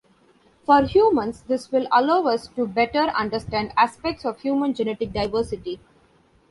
For humans, this will allow us to better understand aspects of human genetic diversity.